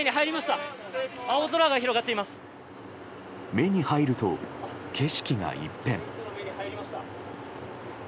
目に入ると、景色が一変。